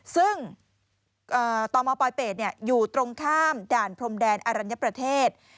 ซึ่งต่อมปลอยเป็ดอยู่ตรงข้ามด่านพรมแดนอรัญญประเทศ